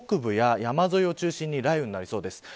関東周辺も北部山沿いを中心に雷雨となりそうです。